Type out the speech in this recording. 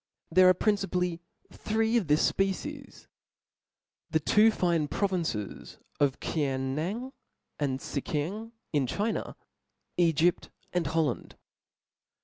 There are principally three of this fpecies, the two fine provinces of Kiang nan andTcckiang in Chi Aa^ iEgypt, and Holland.